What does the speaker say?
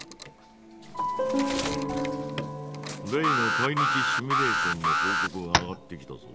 例の対日シミュレーションの報告が上がってきたぞ。